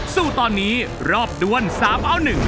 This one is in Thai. สู้ตอนนี้รอบด้วน๓เอา๑